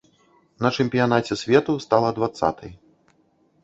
На чэмпіянаце свету стала дваццатай.